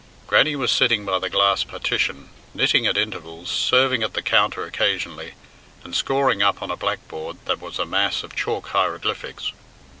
Grannie was sitting by the glass partition, knitting at intervals, serving at the counter occasionally and scoring up on a black board that was a mass of chalk hieroglyphics.